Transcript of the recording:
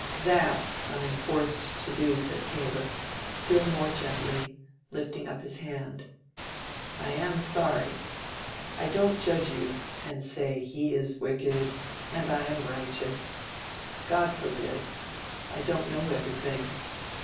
"That I'm forced to do," said Caleb, still more gently, lifting up his hand. "I am sorry. I don't judge you and say, he is wicked, and I am righteous. God forbid. I don't know everything.